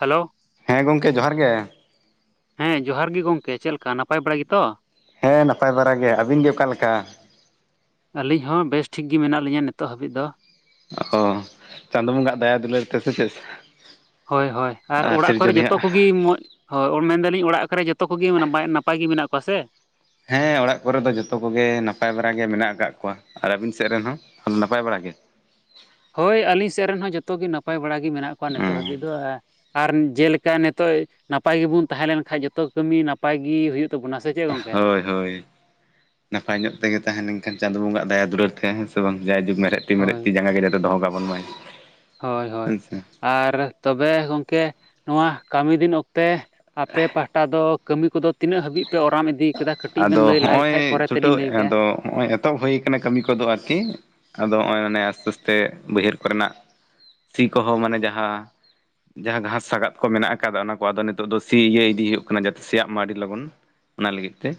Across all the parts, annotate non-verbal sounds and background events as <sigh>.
Hello ᱦᱮᱸ ᱜᱚᱝᱠᱮ ᱡᱚᱦᱟᱨ ᱜᱮ? ᱦᱮᱸ ᱡᱚᱦᱟᱨ ᱜᱮ ᱜᱚᱝᱠᱮ ᱾ ᱪᱮᱫ ᱞᱮᱠᱟ ᱱᱟᱯᱟᱭ ᱵᱟᱲᱟ ᱜᱮᱛᱚ? ᱦᱮᱸ ᱱᱟᱯᱟᱭ ᱵᱟᱟᱨᱟᱜ ᱜᱮ ᱾ ᱟᱹᱵᱤᱱ ᱜᱮ ᱚᱠᱟ ᱞᱮᱠᱟ? ᱟᱹᱞᱤᱧ ᱦᱚᱸ ᱵᱮᱥ ᱴᱷᱤᱠ ᱜᱮ ᱢᱮᱱᱟᱜ ᱞᱤᱧᱟᱹ ᱱᱤᱛᱚᱜ ᱦᱟᱹᱵᱤᱡ ᱫᱚ ᱾ ᱚᱻ ᱪᱟᱸᱫᱚ ᱵᱚᱸᱜᱟ ᱟᱜ ᱫᱟᱭᱟ ᱫᱩᱞᱟᱹᱲ ᱛᱮ ᱥᱮ ᱪᱮᱫ? ᱦᱳᱭ ᱦᱳᱭ ᱾ ᱟᱨ ᱚᱲᱟᱜ ᱠᱚᱨᱮ ᱡᱚᱛᱚ ᱠᱚᱜᱮ ᱢᱚᱡᱽ ᱦᱳᱭ ᱚ ᱢᱮᱱᱫᱟ ᱞᱤᱧ ᱚᱲᱟᱜ ᱠᱚᱨᱮ ᱡᱚᱛᱚ ᱠᱚᱜᱮ ᱱᱟᱯᱟᱭ ᱱᱟᱯᱟᱭ ᱜᱮ ᱢᱮᱱᱟᱜ ᱠᱚᱣᱟ ᱥᱮ? ᱦᱮᱸ ᱾ ᱚᱲᱟᱜ ᱠᱚᱨᱮ ᱫᱚ ᱡᱚᱛᱚ ᱠᱚᱜᱮ ᱱᱟᱯᱟᱭ ᱵᱟᱲᱟᱜ ᱜᱮ ᱢᱮᱱᱟᱜ ᱟᱠᱟᱫ ᱠᱚᱣᱟ ᱾ ᱟᱨ ᱟᱹᱵᱤᱱ ᱥᱮᱫ ᱨᱮᱱ ᱦᱚᱸ ᱾ ᱟᱫᱚ ᱱᱟᱯᱟᱭ ᱵᱟᱲᱟ ᱜᱮ ᱾ ᱦᱳᱭ ᱾ ᱟᱹᱞᱤᱧ ᱥᱮᱫ ᱨᱮᱱ ᱦᱚᱸ ᱡᱚᱛᱚ ᱜᱮ ᱱᱟᱯᱟᱭ ᱵᱟᱲᱟ ᱜᱮ ᱢᱮᱱᱟᱜ ᱠᱚᱣᱟ ᱱᱤᱛᱚᱜ ᱦᱩᱸ ᱦᱟᱹᱵᱤᱡ ᱫᱚ ᱾ ᱟᱨ ᱡᱮ ᱞᱮᱠᱟ ᱱᱤᱛᱚᱜ ᱱᱟᱯᱟᱭ ᱜᱮᱵᱚᱱ ᱛᱟᱦᱮᱸ ᱞᱮᱱ ᱠᱷᱟᱡ ᱡᱚᱛᱚ ᱠᱟᱹᱢᱤ ᱱᱟᱯᱟᱭ ᱜᱮ ᱦᱩᱭᱩᱜ ᱛᱟᱵᱚᱱᱟ ᱾ ᱦᱳᱭ ᱾ ᱦᱳᱭ ᱾ ᱱᱟᱯᱟᱭ ᱧᱚᱜ ᱛᱮᱜᱮ ᱛᱟᱦᱮᱸ ᱞᱮᱱᱠᱷᱟᱱ ᱪᱟᱸᱫᱚ ᱵᱚᱸᱜᱟ ᱦᱟᱜ ᱫᱟᱭᱟ ᱫᱩᱞᱟᱹᱲ ᱛᱮ ᱦᱮᱸ ᱥᱮ ᱵᱟᱝ ᱡᱟᱭ ᱡᱩᱜᱽ ᱢᱮᱬᱦᱮᱫ ᱢᱮᱬᱦᱮᱫ ᱦᱳᱭ ᱛᱤ ᱢᱮᱬᱦᱮᱫ ᱡᱟᱸᱜᱟ ᱡᱟᱛᱮ ᱫᱚᱦᱚ ᱠᱟᱵᱚᱱ ᱢᱟᱭ ᱾ ᱦᱳᱭ ᱦᱳᱭ ᱾ ᱟᱨ ᱛᱚᱵᱮ ᱜᱚᱢᱠᱮ ᱱᱚᱣᱟ ᱠᱟᱹᱢᱤ ᱫᱤᱱ ᱚᱠᱛᱮ ᱟᱯᱮ ᱯᱟᱦᱴᱟ ᱫᱚ ᱠᱟᱹᱢᱤ ᱠᱚᱫᱚ ᱛᱤᱱᱟᱹᱜ ᱦᱟᱹᱵᱤᱡ ᱛᱚ ᱚᱨᱟᱢ ᱤᱫᱤ ᱠᱟᱫᱟ ᱠᱟᱹᱴᱤᱡ ᱵᱮᱱ ᱞᱟᱹᱭ ᱞᱟᱦ ᱞᱮᱠᱷᱟᱡ ᱯᱚᱨᱮ ᱛᱮᱞᱤᱧ ᱞᱟᱹᱭ ᱠᱮᱭᱟ ᱚ ᱱᱚᱜᱼᱚᱭ᱾ ᱚᱛᱚᱦᱚᱵ ᱦᱩᱭ ᱠᱟᱱᱟ ᱠᱟᱹᱢᱤ ᱠᱚᱫᱚ ᱟᱨᱠᱤ, ᱟᱫᱚ ᱱᱚᱜᱼᱚᱭ ᱢᱟᱱᱮ ᱟᱥᱛᱮ ᱟᱥᱛᱮ ᱵᱟᱹᱭᱦᱟᱹᱲ ᱠᱚᱨᱮᱱᱟᱜ ᱥᱤ ᱠᱚᱦᱚᱸ ᱢᱟᱱᱮ ᱡᱟᱦᱟᱸ᱾ ᱡᱟᱦᱟᱸ ᱜᱷᱟᱥ ᱥᱟᱜᱟᱫ ᱠᱚᱦᱚ ᱢᱮᱱᱟᱜ ᱟᱠᱟᱫᱟ ᱚᱱᱟ ᱠᱚ ᱟᱫᱚ ᱱᱤᱛᱚᱜ ᱫᱚ ᱥᱤ ᱤᱭᱟᱹ ᱤᱫᱤ ᱦᱩᱭᱩᱜ ᱠᱟᱱᱟ ᱡᱟᱛᱮ ᱥᱮᱭᱟᱜ ᱢᱟ ᱟᱹᱰᱤ ᱞᱚᱜᱚᱱ ᱾ ᱚᱱᱟ ᱞᱟᱹᱜᱤᱫ ᱛᱮ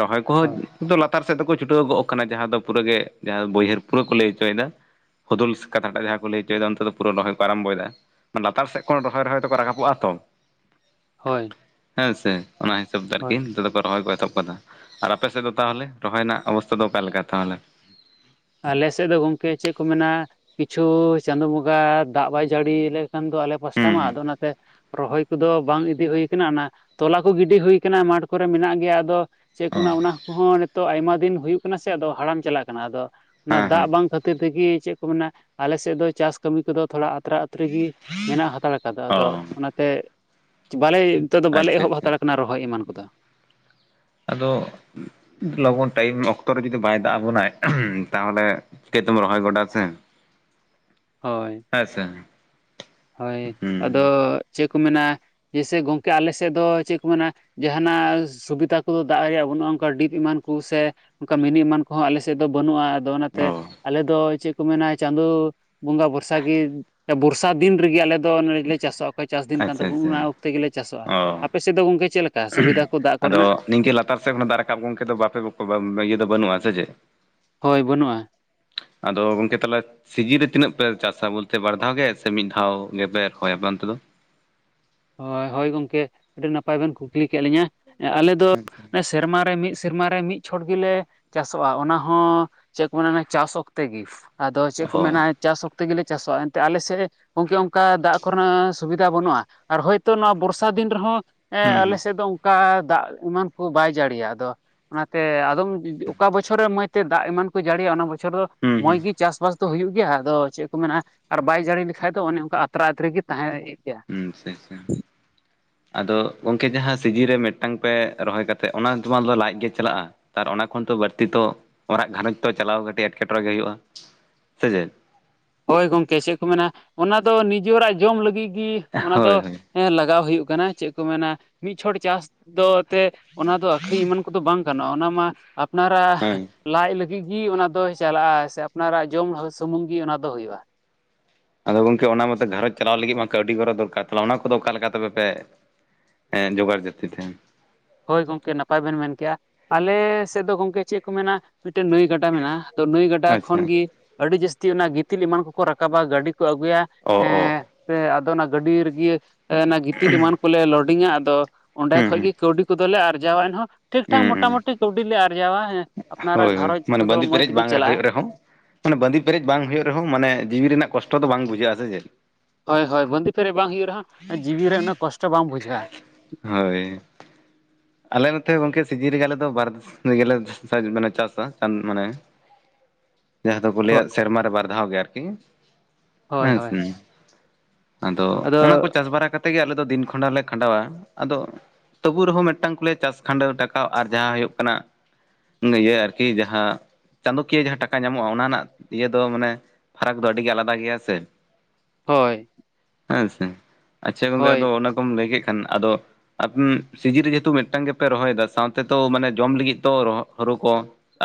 ᱨᱚᱦᱚᱭ ᱠᱚᱦᱚᱸ ᱦᱳᱭ ᱛᱩ ᱞᱟᱛᱟᱨ ᱥᱮᱫ ᱫᱚᱠᱚ ᱪᱷᱩᱴᱟᱹᱣ ᱜᱚᱜ ᱠᱟᱱᱟ ᱡᱟᱦᱟᱸ ᱫᱚ ᱯᱩᱨᱟᱹ ᱜᱮ ᱡᱟᱦᱟᱸ ᱵᱟᱹᱭᱦᱟᱹᱲ ᱯᱩᱨᱟᱹ ᱠᱚ ᱞᱟᱹᱭ ᱦᱚᱪᱚᱭᱮᱫᱟ ᱾ ᱦᱩᱫᱩᱞᱥ ᱠᱟᱛᱷᱟ ᱴᱟᱜ ᱡᱟᱦᱟᱸ ᱠᱚ ᱞᱟᱹᱭᱪᱚᱭᱮᱫᱟ ᱚᱱᱛᱮ ᱫᱚ ᱯᱩᱨᱟᱹ ᱨᱚᱦᱚᱭ ᱠᱚ ᱟᱨᱟᱢᱵᱷᱚᱭᱮᱫᱟ ᱾ ᱞᱟᱛᱟᱨ ᱥᱮᱫ ᱠᱷᱚᱱ ᱨᱚᱦᱚᱭ ᱨᱚᱦᱚᱭ ᱫᱚᱠᱚ ᱨᱟᱠᱟᱵᱚᱜᱼᱟ ᱛᱚ᱾ ᱦᱳᱭ ᱦᱮᱸ ᱥᱮ ᱚᱱᱟ ᱦᱤᱥᱟᱹᱵ ᱛᱮ ᱦᱳᱭ ᱟᱨᱠᱤ ᱫᱷᱩᱨᱟᱣ ᱠᱚ ᱨᱚᱦᱚᱭ ᱠᱚ ᱮᱛᱚᱦᱚᱵ ᱠᱟᱫᱟ, ᱟᱨ ᱟᱯᱮ ᱥᱮᱫ ᱫᱚ ᱛᱟᱦᱚᱞᱮ ᱨᱚᱦᱚᱭ ᱨᱮᱱᱟᱜ ᱚᱵᱚᱥᱛᱟ ᱫᱚ ᱚᱠᱟ ᱞᱮᱠᱟ ᱛᱟᱦᱚᱞᱮ? ᱟᱞᱮ ᱥᱮᱫ ᱫᱚ ᱜᱚᱝᱠᱮ ᱪᱮᱫ ᱠᱚ ᱢᱮᱱᱟ, ᱠᱤᱪᱷᱩ ᱪᱟᱸᱫᱚ ᱵᱚᱸᱜᱟ ᱫᱟᱜ ᱵᱟᱭ ᱡᱟᱹᱲᱤ ᱞᱮ ᱮᱠᱷᱟᱱ ᱫᱚ ᱟᱞᱮ ᱯᱟᱥᱴᱟ ᱢᱟ ᱦᱩᱸ ᱦᱩᱸ ᱟᱫᱚ ᱚᱱᱟ ᱛᱮ ᱨᱚᱦᱚᱭ ᱠᱚᱫᱚ ᱵᱟᱝ ᱤᱫᱤ ᱦᱩᱭ ᱠᱟᱱᱟ ᱚᱱᱟ ᱛᱚᱞᱟ ᱠᱚ ᱜᱤᱰᱤ ᱦᱩᱭ ᱠᱟᱱᱟ ᱢᱟᱴᱷ ᱠᱚᱨᱮ ᱢᱮᱱᱟᱜ ᱜᱮᱭᱟ, ᱟᱫᱚ ᱪᱮᱫ ᱠᱚ ᱚ ᱚᱱᱟ ᱠᱚᱦᱚᱸ ᱱᱤᱛᱚᱜ ᱟᱭᱢᱟ ᱫᱤᱱ ᱦᱩᱭᱩᱜ ᱠᱟᱱᱟ ᱥᱮ ᱟᱫᱚ ᱦᱟᱲᱟᱢ ᱪᱟᱞᱟᱜ ᱠᱟᱱᱟ, ᱟᱫᱚ ᱚᱱᱟ ᱦᱮᱸ ᱦᱮᱸ ᱫᱟᱜ ᱵᱟᱝ ᱠᱷᱟ ᱛᱤᱨ ᱛᱤᱜᱤ ᱪᱮᱫ ᱠᱚ ᱢᱮᱱᱟ, ᱟᱞᱮ ᱥᱮᱫ ᱫᱚ ᱪᱟᱥ ᱠᱟᱹᱢᱤ ᱠᱚᱫᱚ ᱛᱷᱚᱲᱟ ᱟᱛᱨᱟ ᱟᱹᱛᱨᱤ ᱜᱤ ᱢᱮᱱᱟᱜ ᱦᱟᱛᱟᱲ ᱟᱠᱟᱫᱟ ᱚ ᱟᱫᱚ, ᱚᱱᱟᱛᱮ ᱵᱟᱞᱮ ᱛᱮᱫᱚ ᱵᱟᱞᱮ ᱟᱪᱪᱷᱟ ᱮᱦᱚᱵ ᱟᱪᱪᱷᱟ ᱦᱟᱛᱟᱲ ᱠᱟᱱᱟ ᱨᱚᱦᱚᱭ ᱮᱢᱟᱱ ᱠᱚᱫᱚ᱾ ᱟᱫᱚ ᱞᱚᱜᱚᱱ ᱴᱟᱭᱤᱢ ᱚᱠᱛᱚ ᱨᱮ ᱡᱩᱫᱤ ᱵᱟᱭ ᱫᱟᱜ ᱟᱵᱚᱱᱟᱭ, ᱛᱟᱦᱚᱞᱮ ᱪᱤᱠᱟᱹᱛᱮᱢ ᱨᱚᱦᱚᱭ ᱜᱚᱰᱟ ᱥᱮ? ᱦᱳᱭ᱾ ᱦᱮᱸ ᱥᱮ? ᱦᱳᱭ ᱟᱫᱚ ᱪᱮᱜ ᱠᱚ ᱢᱮᱱᱟ ᱡᱮᱭᱥᱮ ᱜᱚᱝᱠᱮ ᱟᱞᱮ ᱥᱮᱫ ᱫᱚ ᱪᱮᱫ ᱠᱚ ᱢᱮᱱᱟ ᱡᱟᱦᱟᱱᱟᱜ ᱥᱩᱵᱤᱫᱟ ᱠᱚᱫᱚ ᱫᱟᱜ ᱨᱮᱭᱟᱜ ᱵᱟᱹᱱᱩᱜᱼᱟ ᱚᱝᱠᱟ ᱰᱤᱯ ᱮᱢᱟᱱ ᱠᱩ ᱥᱮ ᱚᱝᱠᱟ ᱢᱤᱱᱩ ᱮᱢᱟᱱ ᱠᱚᱦᱚᱸ ᱟᱞᱮ ᱥᱮᱫ ᱫᱚ ᱵᱟᱹᱱᱩᱜᱼᱟ᱾ ᱟᱫᱚ ᱚᱱᱟᱛᱮ ᱚ ᱟᱞᱮᱫᱚᱭ ᱪᱮᱫ ᱠᱚ ᱢᱮᱱᱟ ᱪᱟᱸᱫᱳ ᱵᱚᱸᱜᱟ ᱵᱚᱨᱥᱟ ᱜᱮ, ᱵᱚᱨᱥᱟ ᱫᱤᱱ ᱨᱮᱜ ᱟᱞᱮᱫᱚ ᱱᱚᱮᱞᱮ ᱪᱟᱥᱚᱜ ᱚᱠᱚ ᱪᱟᱥ ᱫᱤᱱ ᱠᱟᱱ ᱟᱪᱪᱷᱟ ᱛᱟᱵᱳᱱ ᱚᱱᱟ ᱟᱪᱪᱷᱟ ᱚᱠᱛᱮ ᱜᱮᱞᱮ ᱪᱟᱥᱚᱜᱼᱟ, ᱚ ᱟᱯᱮ ᱥᱮᱫ ᱫᱚ ᱜᱚᱝᱠᱮ ᱪᱮᱞᱮᱠᱟ ᱥᱩᱵᱤᱫᱟ ᱠᱚ ᱫᱟᱜ ᱟᱫᱚ ᱠᱚᱨᱮᱱᱟᱜ? ᱱᱤᱝᱠᱟᱹ ᱞᱟᱛᱟᱨ ᱥᱮᱫ ᱫᱟᱜ ᱨᱟᱠᱟᱯ ᱜᱚᱢᱠᱮ ᱫᱚ ᱵᱟᱯᱮ ᱵᱚ ᱵᱟᱯᱮ ᱤᱭᱟᱹ ᱫᱚ ᱵᱟᱹᱱᱩᱜᱼᱟ ᱥᱮ ᱪᱮᱫ? ᱦᱳᱭ ᱵᱟᱹᱱᱩᱜᱼᱟ᱾ ᱟᱫᱚ ᱜᱚᱝᱠᱮ ᱛᱟᱞᱦᱮ ᱥᱤᱡᱤ ᱨᱮ ᱛᱤᱱᱟᱹᱜ ᱯᱮ ᱪᱟᱥᱟ ᱵᱚᱞᱛᱮ ᱵᱟᱨ ᱫᱷᱟᱣ ᱜᱮ ᱥᱮ ᱢᱤᱫ ᱫᱷᱟᱣ ᱜᱮᱯᱮ ᱨᱚᱦᱚᱭᱟ ᱟᱯᱮ ᱚᱱᱛᱮ ᱫᱚ? ᱦᱳᱭ ᱦᱳᱭ ᱜᱚᱝᱠᱮ ᱟᱹᱰᱤ ᱱᱟᱯᱟᱭ ᱵᱮᱱ ᱠᱩᱠᱞᱤ ᱠᱮᱫ ᱞᱤᱧᱟ, ᱟᱞᱮ ᱫᱚ ᱥᱮᱨᱢᱟᱨᱮ ᱢᱤᱫ ᱥᱮᱨᱢᱟᱨᱮ ᱢᱤᱫ ᱪᱷᱚᱴ ᱜᱮᱞᱮ ᱪᱟᱥᱚᱜᱼᱟ, ᱚᱱᱟ ᱦᱚᱸ ᱪᱮᱫ ᱠᱚ ᱢᱮᱱᱟ ᱪᱟᱥ ᱚᱠᱛᱮ ᱜᱤ᱾ ᱟᱫᱚ ᱪᱮᱜ ᱠᱚ ᱚ ᱢᱮᱱᱟ ᱪᱟᱥ ᱚᱠᱛᱮ ᱜᱮᱞᱮ ᱪᱟᱥᱚᱜᱼᱟ, ᱮᱱᱛᱮ ᱟᱞᱮ ᱥᱮᱜ ᱜᱚᱝᱠᱮ ᱚᱝᱠᱟ ᱫᱟᱜ ᱠᱚᱨᱮᱱᱟᱜ ᱥᱩᱵᱤᱫᱟ ᱵᱟᱹᱱᱩᱜᱼᱟ᱾ ᱟᱨ ᱦᱭᱛᱳ ᱱᱚᱣᱟ ᱵᱚᱨᱥᱟ ᱫᱤᱱ ᱨᱮᱦᱚᱸ ᱮᱸ ᱦᱩᱸ ᱦᱩᱸ ᱟᱞᱮᱥᱮᱫ ᱫᱚ ᱚᱝ ᱠᱟ ᱫᱟᱜ ᱮᱢᱟᱱ ᱠᱚ ᱵᱟᱭ ᱡᱟᱲᱤᱭᱟ, ᱟᱫᱚ ᱚᱱᱟᱛᱮ ᱟᱫᱚᱢ ᱚᱠᱟ ᱵᱚᱪᱷᱚᱨᱮ ᱢᱚᱡᱛᱮ ᱫᱟᱜ ᱮᱢᱟᱱ ᱠᱚᱭ ᱡᱟᱲᱤᱭᱟ ᱚᱱᱟ ᱵᱚᱪᱷᱚᱨ ᱫᱚ ᱦᱩᱸ ᱢᱚᱸᱡᱽ ᱜᱮ ᱪᱟᱥᱵᱟᱥ ᱫᱚ ᱦᱩᱭᱩᱜ ᱜᱮᱭᱟ, ᱟᱫᱚ ᱪᱮᱜ ᱠᱚ ᱢᱮᱱᱟ ᱟᱨ ᱵᱟᱭ ᱡᱟᱲᱤ ᱞᱮᱠᱷᱟᱡ ᱫᱚ ᱚᱱᱮ ᱚᱝᱠᱟ ᱟᱛᱨᱟ ᱟᱛᱨᱮ ᱜᱮ ᱛᱟᱦᱮᱸᱭᱮᱜ ᱜᱮᱭᱟ᱾ ᱦᱩᱸ ᱟᱪᱪᱷᱟ ᱪᱷᱟ᱾ ᱟᱫᱚ ᱜᱚᱝᱠᱮ ᱡᱟᱦᱟᱸ ᱥᱤᱡᱤ ᱨᱮ ᱢᱤᱫᱴᱟᱝ ᱯᱮ ᱨᱚᱦᱚᱭ ᱠᱟᱛᱮᱜ ᱚᱱᱟ ᱛᱮᱢᱟ ᱛᱮᱢᱟᱫᱚ ᱞᱟᱡ ᱜᱮ ᱪᱟᱞᱟᱜᱼᱟ᱾ ᱟᱨ ᱚᱱᱟ ᱠᱷᱚᱱ ᱛᱚ ᱵᱟᱲᱛᱤ ᱛᱚ ᱚᱨᱟᱜ ᱜᱷᱟᱨᱚᱸᱡᱽ ᱛᱚ ᱪᱟᱞᱟᱣ ᱠᱟᱴᱤᱡ ᱮᱴᱠᱮᱴᱚᱬᱮ ᱜᱮ ᱦᱩᱭᱩᱜᱼᱟ ᱥᱮ ᱪᱮᱫ? ᱦᱳᱭ ᱜᱚᱝᱠᱮ ᱪᱮᱫ ᱠᱚ ᱢᱮᱱᱟ ᱚᱱᱟ ᱫᱚ ᱱᱤᱡᱚᱨᱟᱜ ᱡᱚᱢ ᱞᱟᱹᱜᱤᱜ ᱜᱤ ᱚᱱᱟ ᱫᱚ ᱦᱳᱭ ᱦᱳᱭ ᱦᱮᱸ ᱞᱟᱜᱟᱣ ᱦᱩᱭᱩᱜ ᱠᱟᱱᱟ ᱪᱮᱜ ᱠᱚ ᱢᱮᱱᱟ ᱢᱤᱫ ᱪᱷᱚᱴ ᱪᱟᱥ ᱫᱚ ᱛᱮ ᱚᱱᱟ ᱫᱚ ᱟᱹᱠᱷᱨᱤᱧ ᱮᱢᱟᱱ ᱠᱚ᱾ ᱠᱳᱫᱚ ᱵᱟᱝ ᱜᱟᱱᱚᱜᱼᱟ ᱚᱱᱟ ᱢᱟ ᱟᱯᱱᱟᱨᱟᱜ ᱦᱮᱸ ᱞᱟᱭᱡ ᱞᱟᱹᱜᱤᱫᱴᱜ ᱜᱮ ᱚᱱᱟ ᱫᱚᱭ ᱪᱟᱞᱟᱜᱼᱟ ᱥᱮ ᱟᱯᱱᱟᱨᱟᱜ ᱡᱚᱢ ᱥᱩᱢᱩᱝ ᱜᱮ ᱚᱱᱟ ᱫᱚ ᱦᱩᱭᱩᱜᱼᱟ᱾ ᱟᱫᱚ ᱜᱚᱝᱠᱮ ᱚᱱᱟᱚᱛᱚ ᱜᱷᱟᱨᱚᱸᱡᱽ ᱟᱞᱟᱣ ᱞᱟᱹᱜᱤᱫ ᱢᱟ ᱠᱟᱹᱣᱰᱤ ᱜᱚᱨᱚ ᱫᱚᱨᱠᱟᱨ᱾ ᱛᱟᱞᱦᱮ ᱚᱱᱟ ᱠᱚᱫᱚ ᱚᱠᱟ ᱞᱮᱠᱟ ᱛᱚᱵᱮ ᱯᱮ? ᱮᱸ ᱡᱳᱚᱜᱟᱲ ᱡᱟᱹᱛᱤ ᱛᱟᱦᱮᱸᱱ? ᱦᱳᱭ ᱜᱚᱝᱠᱮ ᱱᱟᱯᱟᱭ ᱵᱮᱱ ᱢᱮᱱᱠᱮᱜᱼᱟ᱾ ᱟᱞᱮ ᱥᱮᱫ ᱫᱚ ᱜᱚᱝᱠᱮ ᱪᱮᱫ ᱠᱚ ᱢᱮᱱᱟ ᱢᱤᱫᱴᱮᱱ ᱱᱟᱹᱭ ᱜᱟᱰ ᱰᱟ ᱢᱮᱱᱟᱜᱼᱟ᱾ ᱛᱚ ᱱᱟᱹᱭ ᱜᱟᱰᱟ ᱟᱪᱪᱷᱟ ᱠᱷᱚᱱ ᱜᱮ ᱟᱹᱰᱤ ᱡᱟᱹᱥᱛᱤ ᱚᱱᱟ ᱜᱤᱛᱤᱞ ᱮᱢᱟᱱ ᱠᱚᱠᱚ ᱨᱟᱠᱟᱵᱟ ᱜᱟᱹᱰᱤ ᱠᱚ ᱟᱹᱜᱩᱭᱟ᱾ ᱚ ᱚ ᱮᱸᱻ ᱯᱮ ᱟᱫᱚ ᱚᱱᱟ ᱜᱟᱹᱰᱤ ᱨᱮᱜᱮ ᱚᱱᱟ ᱮᱸ ᱜᱤᱛᱤᱞ ᱮᱢᱟᱱ ᱠᱚᱞᱮ ᱞᱳᱰᱤᱝᱟ ᱟᱫᱚ᱾ ᱚᱸᱰᱮ ᱦᱩᱸ ᱠᱷᱚᱡ ᱦᱩᱸ ᱜᱮ ᱠᱟᱹᱣᱰᱤ ᱠᱚᱫᱚᱞᱮ ᱟᱨᱡᱟᱣᱟ ᱮᱱᱦᱚᱸ ᱴᱷᱤᱠ ᱴᱷᱟᱠ ᱦᱩᱸ ᱦᱩᱸ ᱢᱚᱴᱟᱢᱩᱴᱤ ᱠᱟᱹᱣᱰᱤ ᱞᱮ ᱟᱨᱡᱟᱣᱟ ᱦᱮᱸ ᱟᱯᱱᱟᱨᱟᱜ ᱦᱳᱭ ᱦᱳᱭ ᱜᱷᱟᱨᱚᱸᱡᱽ ᱢᱟᱱᱮ ᱠᱳᱫᱚ ᱵᱟᱸᱫᱤ ᱢᱚᱡᱽ ᱯᱮᱨᱮᱡ ᱛᱮᱜᱮ ᱵᱟᱝ ᱪᱟᱞᱟᱜᱼᱟ᱾ ᱦᱩᱭᱩᱜ ᱨᱮᱦᱚᱸ ᱢᱟᱱᱮ ᱵᱟᱸᱫᱤ ᱯᱮᱨᱮᱡ ᱵᱟᱝ ᱦᱩᱭᱩᱜ ᱨᱮᱦᱚᱸ ᱢᱟᱱᱮ ᱡᱤᱣᱤ ᱨᱮᱱᱟᱜ ᱠᱚᱥᱴᱚ ᱫᱚ ᱵᱟᱝ ᱵᱩᱡᱷᱟᱹᱜᱼᱟ ᱥᱮ ᱪᱮᱫ? ᱦᱳᱭ ᱦᱳᱭ ᱵᱟᱸᱫᱤ ᱯᱮᱨᱮᱜ ᱵᱟᱝ ᱦᱩᱭᱩᱜ ᱨᱮᱦᱚᱸ ᱡᱤᱣᱤ ᱨᱮ ᱩᱱᱟᱹ ᱠᱚᱥᱴᱚ ᱵᱟᱝ ᱵᱩᱡᱷᱟᱹᱜᱼᱟ᱾ ᱦᱳᱭ ᱟᱞᱮ ᱢᱚᱛᱮ ᱦᱚᱸ ᱜᱚᱝᱠᱮ ᱥᱤᱡᱤᱱ ᱨᱮᱜᱮ ᱟᱞᱮ ᱫᱚ ᱢᱟᱱᱮ ᱪᱟᱥᱟ ᱪᱟᱸᱫ ᱢᱟᱱᱮ <unintelligible> ᱡᱟᱦᱟᱸ ᱫᱚᱠᱚ ᱦᱳᱭ ᱞᱟᱹᱭᱟᱜ ᱥᱮᱨᱢᱟᱨᱮ ᱵᱟᱨ ᱫᱷᱟᱣ ᱜᱮ ᱟᱨᱠᱤ ᱦᱳᱭ ᱦᱮᱸ ᱦᱳᱭ ᱥᱮ ᱟᱫᱚ ᱚᱱᱟᱠᱚ ᱪᱟᱥ ᱵᱟᱨᱟ ᱠᱟᱛᱮᱜᱮ ᱟᱞᱮ ᱫᱚ ᱫᱤᱱ ᱠᱷᱚᱸᱰ ᱦᱚᱸᱞᱮ ᱠᱷᱟᱸᱰᱟᱣᱟ᱾ ᱟᱫᱚ ᱛᱚᱵᱩ ᱨᱮᱦᱚᱸ ᱢᱤᱴᱟᱝᱠᱩ ᱞᱟᱹᱭᱟ ᱪᱟᱥ ᱠᱷᱟᱸᱰᱟᱣ ᱴᱟᱠᱟᱣ ᱟᱨ ᱡᱟᱦᱟᱸ ᱦᱩᱭᱩᱜ ᱠᱟᱱᱟ ᱤᱭᱟᱹ ᱟᱨᱠᱤ ᱡᱟᱦᱟᱸ ᱪᱟᱸᱫᱳᱠᱤᱭᱟᱹ ᱡᱟᱦᱟᱸ ᱴᱟᱠᱟ ᱧᱟᱢᱚᱜᱼᱟ ᱚᱱᱟ ᱨᱮᱱᱟᱜ ᱤᱭᱟᱹ ᱫᱚ ᱢᱟᱱᱮ ᱯᱷᱟᱨᱟᱠ ᱫᱚ ᱟᱹᱰᱤ ᱜᱮ ᱟᱞᱟᱫᱟ ᱜᱮᱭᱟ ᱥᱮ ᱦᱳᱭ ᱦᱮᱸ ᱥᱮ ᱟᱪᱪᱷᱟ ᱜᱚᱝᱠᱮ ᱦᱳᱭ ᱟᱫᱚ ᱚᱱᱟ ᱠᱚᱢ ᱞᱟᱹᱭ ᱠᱮᱫ ᱠᱷᱟᱱ ᱟᱫᱚ ᱟᱯ ᱥᱤᱡᱤᱱ ᱨᱮ ᱛᱩ ᱢᱤᱫᱴᱟᱝ ᱜᱮᱯᱮ ᱨᱚᱦᱚᱭᱮᱫᱟ ᱥᱟᱶᱛᱮ ᱛᱚ ᱢᱟᱱᱮ ᱡᱚᱢ ᱞᱟᱹᱜᱤᱫ ᱛᱚ ᱦᱩ ᱠᱚ᱾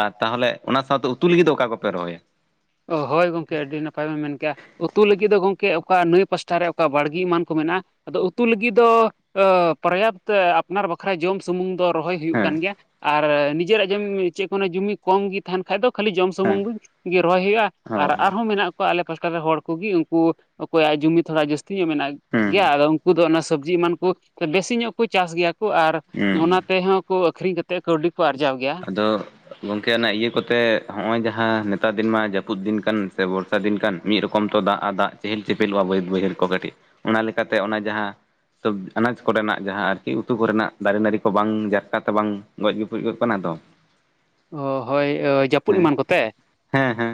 ᱟᱨ ᱛᱟᱦᱚᱞᱮ ᱚᱱᱟ ᱥᱟᱶᱛᱮ ᱩᱛᱩ ᱞᱟᱹᱜᱤᱫ ᱫᱚ ᱚᱠᱟ ᱠᱚᱯᱮ ᱨᱚᱦᱚᱭᱟ? ᱚ ᱦᱳᱭ ᱜᱚᱢᱠᱮ ᱟᱹᱰᱤ ᱱᱟᱯᱟᱭ ᱵᱮᱱ ᱢᱮᱱᱠᱮᱜᱼᱟ᱾ ᱩᱛᱩ ᱞᱟᱹᱜᱤᱫ ᱫᱚ ᱜᱚᱢᱠᱮ ᱚᱠᱟ ᱱᱟᱹᱭ ᱯᱟᱥᱴᱟ ᱨᱮ ᱚᱠᱟ ᱵᱟᱲᱜᱮ ᱮᱢᱟᱱ ᱠᱚ ᱢᱮᱱᱟᱜᱼᱟ᱾ ᱟᱫᱚ ᱩᱛᱩ ᱞᱟᱹᱜᱤᱫ ᱫᱚ ᱯᱚᱨᱭᱟᱯᱛ ᱟᱯᱱᱟᱨ ᱵᱟᱠᱷᱨᱟ ᱵᱟᱠᱷᱨᱟ ᱡᱚᱢ ᱥᱩᱢᱩᱝ ᱫᱚ ᱨᱚᱦᱚᱭ ᱦᱩᱭᱩᱜ ᱦᱮᱸ ᱠᱟᱱ ᱜᱮᱭᱟ ᱟᱨ ᱱᱤᱡᱮᱨᱟᱜ ᱡᱚᱢ ᱪᱮᱫ ᱠᱚ ᱡᱩᱢᱤ ᱠᱚᱢ ᱜᱮ ᱛᱟᱦᱮᱱ ᱠᱷᱟ ᱫᱚ ᱠᱷᱟᱹᱞᱤ ᱡᱚᱢ ᱦᱮᱸ ᱥᱩᱢᱩᱝ ᱫᱚ ᱨᱚᱦᱚᱭ ᱦᱩᱭᱩᱜᱼᱟ ᱟᱨ ᱦᱳᱭ ᱟᱨᱦᱚᱸ ᱢᱮᱱᱟᱜ ᱠᱚ ᱟᱞᱮ ᱯᱟᱥᱠᱟ ᱨᱮ ᱦᱚᱲ ᱠᱚᱜᱮ ᱩᱝᱠᱩ ᱚᱠᱚᱭᱟᱜ ᱡᱩᱢᱤ ᱛᱷᱚᱲᱟ ᱡᱟᱹᱥᱛᱤ ᱛᱤ ᱧᱚᱜ ᱢᱮᱱᱟᱜ ᱦᱩᱸ ᱜᱮᱭᱟ ᱟᱫᱚ ᱩᱝᱠᱩ ᱫᱚ ᱚᱱᱟ ᱥᱚᱵᱡᱤ ᱮᱢᱟᱱ ᱠᱚ ᱵᱮᱥᱤ ᱧᱚᱜ ᱠᱚ ᱪᱟᱥ ᱜᱮᱭᱟ᱾ ᱟᱨ ᱦᱩᱸ ᱚᱱᱟ ᱛᱮᱦᱚᱸ ᱠᱚ ᱟᱹᱠᱷᱨᱤᱧ ᱠᱟᱛᱮ ᱠᱟᱹᱣᱰᱤ ᱠᱚ ᱟᱨᱡᱟᱣ ᱜᱮᱭᱟ᱾ ᱟᱫᱚ ᱜᱚᱢᱠᱮ ᱟᱱᱟᱜ ᱤᱭᱟᱹ ᱠᱚᱛᱮ ᱦᱚᱸᱜᱼᱚᱭ ᱡᱟᱦᱟᱸ ᱱᱮᱛᱟᱨ ᱫᱤᱱ ᱢᱟ ᱡᱟᱹᱯᱩᱫ ᱫᱤᱱ ᱠᱟᱱ ᱥᱮ ᱵᱚᱨᱥᱟ ᱫᱤᱱ ᱠᱟᱱ ᱢᱤᱫ ᱨᱚᱠᱚᱢ ᱛᱚ ᱫᱟᱜ ᱟᱨ ᱫᱟᱜ ᱪᱮᱦᱮᱞ ᱪᱮᱯᱮᱞᱚᱜᱼᱟ ᱵᱟᱹᱫ ᱵᱟᱹᱭᱦᱟᱹᱲ ᱠᱚ ᱠᱟᱹᱴᱤᱡ ᱚᱱᱟ ᱞᱮᱠᱟᱛᱮ᱾ ᱚᱱᱟ ᱡᱟᱦᱟᱸ ᱛᱚ ᱟᱱᱟᱡᱽ ᱠᱚᱨᱮᱱᱟᱜ ᱡᱟᱦᱟᱸ ᱟᱨᱠᱤ ᱩᱛᱩᱡ ᱠᱚᱨᱮᱱᱟᱜ ᱫᱟᱨᱮ ᱱᱟᱹᱲᱤ ᱠᱚ ᱵᱟᱝ ᱡᱟᱨᱠᱟᱛᱮ ᱵᱟᱝ ᱜᱚᱡ ᱜᱩᱯᱡ ᱠᱟᱱᱟ ᱫᱚ ᱚ ᱦᱳᱭ ᱡᱟᱹᱯᱩᱫ ᱦᱮᱸ ᱮᱢᱟᱱ ᱠᱚᱛᱮ? ᱦᱮᱸ ᱦᱮᱸ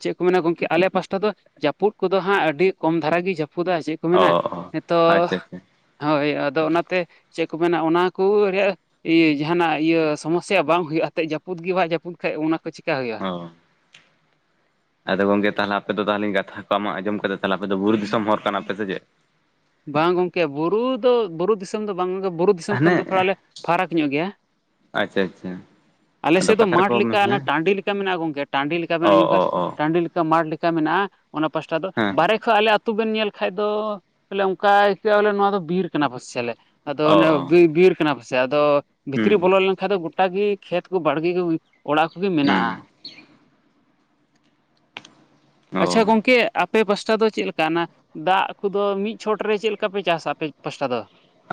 ᱪᱮᱫ ᱠᱚ ᱢᱮᱱᱟ ᱜᱚᱝᱠᱮ ᱟᱞᱮ ᱯᱟᱥᱴᱟ ᱫᱚ ᱡᱟᱹᱯᱩᱫ ᱠᱚᱫᱚ ᱦᱟᱸᱜ ᱟᱹᱰᱤ ᱠᱚᱢ ᱫᱷᱟᱨᱟ ᱜᱮ ᱡᱟᱹᱯᱩᱫᱟ ᱪᱮᱫ ᱠᱚ ᱚ ᱢᱮᱱᱟ ᱚ ᱱᱤᱛᱚᱜ ᱟᱪᱪᱷᱟ ᱟᱪᱪᱷᱟ ᱦᱳᱭ ᱟᱫᱚ ᱚᱱᱟᱛᱮ ᱪᱮᱫ ᱠᱚ ᱢᱮᱱᱟ ᱚᱱᱟ ᱠᱚ ᱨᱮᱭᱟᱜ ᱤᱭᱟᱹ ᱡᱟᱦᱟᱱᱟᱜ ᱤᱭᱟᱹ ᱥᱚᱢᱚᱥᱟ ᱥᱮ ᱵᱟᱝ ᱦᱩᱭᱩᱜᱼᱟ᱾ ᱮᱛᱮᱫ ᱡᱟᱹᱯᱩᱫ ᱜᱮ ᱵᱟᱭ ᱡᱟᱹᱯᱩ ᱠᱷᱟᱱᱡ ᱚᱱᱟᱠᱚ ᱪᱤᱠᱟ ᱦᱩᱭᱩᱜᱼᱟ᱾ ᱚ ᱟᱫᱚ ᱜᱚᱝᱠᱮ ᱛᱟᱦᱚᱞᱮ ᱟᱯᱮ ᱫᱚ ᱛᱟᱦᱚᱞᱮᱧ ᱠᱟᱛᱷᱟ ᱠᱚ ᱢᱟᱜ ᱟᱸᱡᱚᱢ ᱠᱟᱛᱮ ᱛᱟᱦᱚᱞᱮ ᱟᱯᱮ ᱫᱚ ᱵᱩᱨᱩ ᱫᱤᱥᱚᱢ ᱦᱚᱲ ᱠᱟᱱᱟᱯᱮ ᱥᱮ ᱪᱮᱫ? ᱵᱟᱝ ᱜᱚᱝᱠᱮ ᱵᱩᱨᱩ ᱫᱚ ᱵᱩᱨᱩ ᱫᱤᱥᱚᱢ ᱫᱚ ᱵᱟᱝ ᱜᱮ ᱵᱩᱨᱩ ᱫᱤᱥᱚᱢ ᱠᱷᱚᱱ ᱦᱟᱱᱮ ᱫᱚ ᱛᱷᱚᱲᱟᱞᱮ ᱯᱷᱟᱨᱟᱠ ᱧᱚᱜ ᱜᱮᱭᱟ᱾ ᱟᱪᱪᱷᱟ ᱟᱪᱪᱷᱟ ᱟᱫᱚ ᱟᱞᱮᱥᱮᱫ ᱫᱚ ᱠᱟᱛᱷᱟ ᱢᱟᱴ ᱨᱮᱠᱚ ᱞᱮᱠᱟ ᱚᱱᱟ ᱦᱮᱸ ᱴᱟᱺᱰᱤ ᱞᱮᱠᱟ ᱢᱮᱱᱟᱜᱼᱟ ᱜᱚᱝᱠᱮ ᱴᱟᱺᱰᱤ ᱞᱮᱠᱟ ᱚ ᱢᱮᱱᱟᱜᱼᱟ ᱡᱠᱷᱟᱱ ᱚ ᱚ ᱴᱟᱺᱰᱤ ᱞᱮᱠᱟ᱾ ᱞᱮᱠᱟ ᱢᱟᱴ ᱞᱮᱠᱟ ᱢᱮᱱᱟᱜᱼᱟ ᱚᱱᱟ ᱯᱟᱥᱴᱟ ᱫᱚ ᱦᱮᱸ ᱵᱟᱦᱨᱮ ᱠᱷᱚᱡ ᱟᱞᱮ ᱟᱛᱳ ᱵᱮᱱ ᱧᱮᱞ ᱠᱷᱟᱱ ᱫᱚ ᱛᱚᱞᱮ ᱚᱱᱠᱟ ᱟᱹᱭᱠᱟᱹᱜᱼᱟ ᱵᱚᱞᱮ ᱱᱚᱣᱟ ᱫᱚ ᱵᱤᱨ ᱠᱟᱱᱟ ᱯᱟᱥᱮ ᱟᱞᱮ ᱟᱫᱚ ᱚ ᱚᱱᱮ ᱚ ᱵᱤᱨ ᱠᱟᱱᱟ ᱯᱟᱥᱮ ᱟᱫᱚ ᱵᱷᱤᱛᱨᱤ ᱦᱩᱸ ᱵᱚᱞᱚ ᱞᱮᱱᱠᱷᱟᱱ ᱫᱚ ᱜᱚᱴᱟᱜ ᱜᱮ ᱠᱷᱮᱛ ᱠᱚ ᱵᱟᱲᱜᱮ ᱚᱲᱟᱜ ᱠᱚᱜᱮ ᱦᱩᱸ ᱢᱮᱱᱟᱜᱼᱟ᱾ ᱟᱪᱪᱷᱟ ᱚ ᱜᱚᱝᱠᱮ ᱟᱯᱮ ᱯᱟᱥᱴᱟ ᱫᱚ ᱪᱮᱫ ᱞᱮᱠᱟ ᱚᱱᱟ ᱫᱟᱜ ᱠᱚᱫᱚ ᱢᱤᱫ ᱪᱷᱚᱴ ᱨᱮ ᱪᱮᱫ ᱞᱮᱠᱟ ᱯᱮ ᱪᱟᱥᱟ ᱟᱯᱮ ᱯᱟᱥᱴᱟ ᱫᱚ?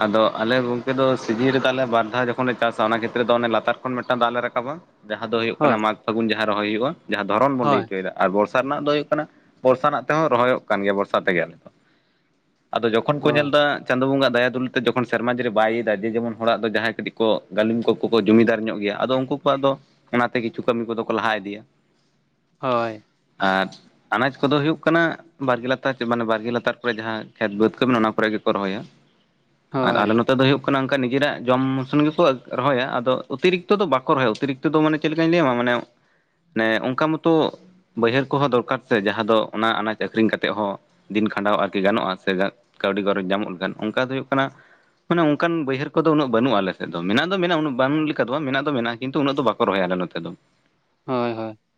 ᱟᱫᱚ ᱟᱞᱮ ᱜᱚᱝᱠᱮ ᱫᱚ ᱥᱤᱡᱤᱱ ᱨᱮᱫᱚᱮ ᱵᱟᱨ ᱫᱷᱟᱣ ᱡᱚᱠᱷᱚᱱ ᱞᱮ ᱪᱟᱥᱟ ᱚᱱᱟ ᱠᱷᱮᱛᱨᱮᱫᱚ ᱚᱱᱮ ᱞᱟᱛᱟᱨ ᱠᱷᱚᱱ ᱢᱤᱫᱴᱟᱝ ᱫᱟᱜ ᱞᱮ ᱨᱟᱠᱟᱵᱟ ᱡᱟᱦᱟᱸ ᱫᱚ ᱦᱩᱭᱩᱜ ᱠᱟᱱᱟ ᱦᱳᱭ ᱢᱟᱜᱽ ᱯᱷᱟᱹᱜᱩᱱ ᱡᱟᱦᱟᱸ ᱨᱚᱦᱚᱭ ᱦᱩᱭᱩᱜᱼᱟ ᱡᱟᱦᱟᱸ ᱫᱷᱚᱨᱚᱱ ᱵᱚᱱ ᱞᱟᱹᱭ ᱦᱳᱭ ᱦᱚᱪᱚᱭᱮᱫᱟ ᱟᱨ ᱵᱚᱨᱥᱟ ᱨᱮᱱᱟᱜ ᱫᱚ ᱦᱩᱭᱩᱜ ᱠᱟᱱᱟ ᱵᱚᱨᱥᱟ ᱨᱮᱱᱟᱜ ᱛᱮᱦᱚᱸ ᱨᱚᱦᱚᱭᱚᱜ ᱠᱟᱱ ᱜᱮᱭᱟ ᱵᱚᱨᱥᱟ ᱛᱮᱜᱮ ᱟᱞᱮ ᱫᱚ ᱟᱫᱚ ᱡᱚᱠᱷᱚᱱ ᱠᱚ ᱦᱳᱭ ᱧᱮᱞᱫᱟ ᱪᱟᱸᱫᱳ ᱵᱚᱸᱜᱟᱜ ᱫᱟᱭᱟ ᱩᱞ ᱡᱚᱠᱷᱚᱱ ᱥᱮᱨᱢᱟ ᱡᱟᱹᱨᱤ ᱵᱟᱭ ᱭᱮᱫᱟ ᱡᱮ ᱡᱮᱢᱚᱱ ᱦᱚᱲᱟᱜ ᱫᱚ ᱡᱟᱦᱟᱸᱭ ᱠᱟᱹᱴᱤᱡ ᱠᱚ ᱜᱟᱹᱞᱤᱢ ᱠᱚᱠᱚ ᱠᱚ ᱡᱩᱤᱫᱟᱨ ᱧᱚᱜ ᱜᱮᱭᱟ ᱟᱫᱚ ᱩᱱᱠᱩ ᱠᱚᱣᱟᱜ ᱫᱚ ᱚᱱᱟᱛᱮ ᱠᱤᱪᱷᱩ ᱠᱟᱹᱢᱤ ᱠᱚᱫᱚ ᱠᱚ ᱞᱟᱦᱟ ᱤᱫᱤᱭᱟ᱾ ᱦᱳᱭ ᱟᱨ ᱟᱱᱟᱡ ᱠᱚᱫᱚ ᱦᱩᱭᱩᱜ ᱠᱟᱱᱟ᱾ ᱵᱟᱨᱜᱮ ᱞᱟᱛᱟᱨ ᱢᱟᱱᱮ ᱵᱟᱨᱮ ᱞᱟᱛᱟᱨ ᱠᱚᱨᱮ ᱡᱟᱦᱟᱸ ᱠᱷᱮᱛ ᱵᱟᱹᱫᱽ ᱠᱚ ᱢᱮᱱᱟᱜᱼᱟ ᱚᱱᱟ ᱠᱚᱨᱮ ᱜᱮᱠᱚ ᱨᱚᱦᱚᱭᱟ᱾ ᱟᱨ ᱦᱳᱭ ᱟᱞᱮ ᱱᱚᱛᱮ ᱫᱚ ᱦᱩᱭᱩᱜ ᱚᱱᱠᱟ ᱱᱤᱡᱮᱨᱟᱜ ᱡᱚᱢ ᱢᱥᱚᱱ ᱜᱮᱠᱚ ᱨᱚᱦᱚᱭᱟ᱾ ᱟᱫᱚ ᱚᱛᱤᱨᱤᱠᱛᱚ ᱫᱚ ᱵᱟᱠᱚ ᱨᱚᱦᱚᱭᱟ ᱚᱛᱤᱨᱤᱠᱛᱚ ᱫᱚ ᱢᱟᱱᱮ ᱪᱮᱫ ᱞᱮᱠᱟᱧ ᱞᱟᱹᱭᱟᱢᱟ ᱢᱟᱱᱮ ᱚᱱᱠᱟ ᱢᱚᱛᱚ ᱵᱟᱹᱭᱦᱟᱹᱲ ᱠᱚᱦᱚᱸ ᱫᱚᱨᱠᱟᱨ ᱛᱮ ᱡᱟᱦᱟᱸ ᱫᱚ ᱚᱱᱟ ᱟᱱᱟᱡ ᱟᱠᱷᱨᱤᱧ ᱠᱟᱛᱮᱫ ᱦᱚᱸ ᱫᱤᱱ ᱠᱷᱟᱸᱰᱟᱣ ᱟᱨᱠᱤ ᱜᱟᱱᱚᱜᱼᱟ ᱥᱮ ᱠᱟᱹᱣᱰᱤ ᱜᱚᱨᱚᱡᱽ ᱧᱟᱢᱚᱜ ᱠᱷᱟᱱ ᱚᱱᱠᱟ ᱫᱚ ᱦᱩᱭᱩᱜ ᱠᱟᱱᱟ᱾ ᱢᱟᱱᱮ ᱚᱱᱠᱟᱱ ᱵᱟᱹᱭᱦᱟᱹᱨ ᱠᱚᱫᱚ ᱩᱱᱟᱹᱜ ᱵᱟᱹᱱᱩᱜᱼᱟ ᱟᱞᱮᱫ ᱫᱚ ᱢᱮᱱᱟᱜ ᱫᱚ ᱢᱮᱱᱟᱜᱼᱟ ᱩᱱᱟᱹ ᱵᱟᱹᱱᱜ ᱞᱮᱠᱟ ᱫᱚ ᱵᱟᱝ ᱢᱮᱱᱟᱜ ᱫᱚ ᱢᱮᱱᱟᱜᱼᱟ ᱠᱤᱱᱛᱩ ᱩᱱᱟᱹᱜ ᱫᱚ ᱵᱟᱠᱚ ᱨᱚᱦᱚᱭᱟ ᱟᱞᱮ ᱱᱚᱛᱮ ᱫᱚ᱾ <inaudible>